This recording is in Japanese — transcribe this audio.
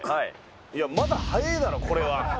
いや、まだ早えだろ、これは。